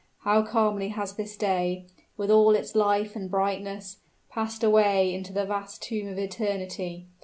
How calmly has this day, with all its life and brightness, passed away into the vast tomb of eternity.